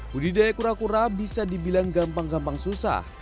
budidaya kura kura bisa dibilang gampang gampang susah